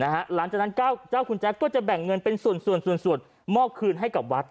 หลังจากนั้นเจ้าคุณแจ๊คก็จะแบ่งเงินเป็นส่วนมอบคืนให้กับวัด